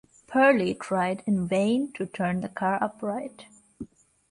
Purley tried in vain to turn the car upright.